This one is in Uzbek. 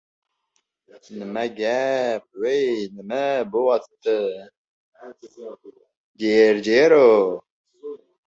Serjant Orziqulov go‘yo palov yeyayotganday, kaftini og‘ziga yugurtirib-yugurtirib oldi.